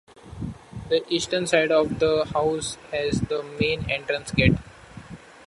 The eastern side of the house has the main entrance gate.